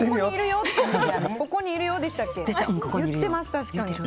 ここにいるよ、でしたっけ。